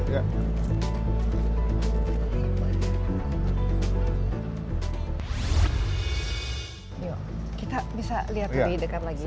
yuk kita bisa lihat lebih dekat lagi